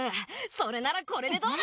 それならこれでどうだ！？